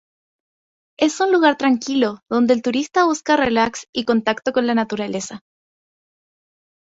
Es un lugar tranquilo, donde el turista busca relax y contacto con la naturaleza.